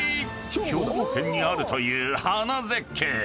［兵庫県にあるという花絶景］